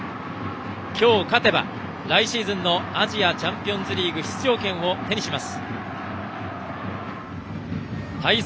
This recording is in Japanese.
きょう勝てば来シーズンのアジアチャンピオンズリーグの出場権を手にします。